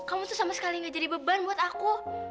kamu tuh sama sekali gak jadi beban buat aku